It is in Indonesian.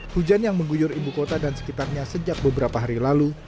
hujan yang mengguyur ibu kota dan sekitarnya sejak beberapa hari lalu